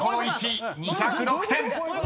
２０６点］